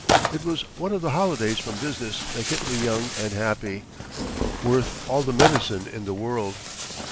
It was one of the holidays from business that kept me young and happy worth all the medicine in the world.